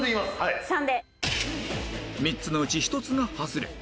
３つのうち１つがハズレ